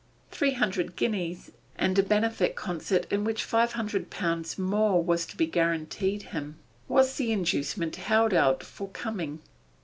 Three hundred guineas, and a benefit concert in which five hundred pounds more was to be guaranteed him, was the inducement held out for coming.